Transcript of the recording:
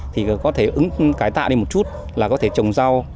thì có thể cải tạo nên một chút là có thể trồng rau